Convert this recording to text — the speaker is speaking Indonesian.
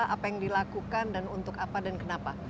apa yang dilakukan dan untuk apa dan kenapa